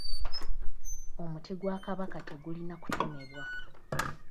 Omuti gwa Kabaka tegulina kutemebwa.